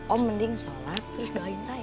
om mending sholat terus doain raya